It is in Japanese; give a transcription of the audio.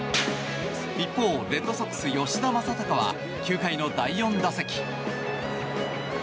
一方、レッドソックス吉田正尚は９回の第４打席。